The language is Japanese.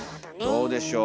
どうでしょう？